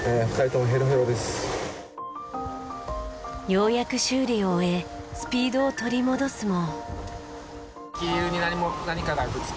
ようやく修理を終えスピードを取り戻すも。